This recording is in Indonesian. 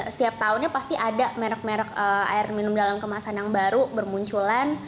setiap tahunnya pasti ada merek merek air minum dalam kemasan yang baru bermunculan